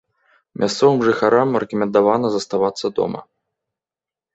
Мясцовым жыхарам рэкамендавана заставацца дома.